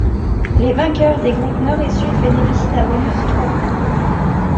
Les vainqueurs des groupes Nord et Sud bénéficient d'un bonus de trois points.